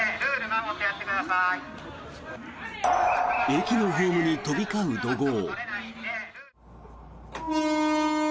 駅のホームに飛び交う怒号。